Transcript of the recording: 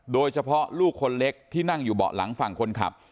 ลูกคนเล็กที่นั่งอยู่เบาะหลังฝั่งคนขับ